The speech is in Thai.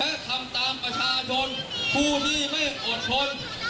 และทำตามประชาชนผู้ที่ไม่อดทน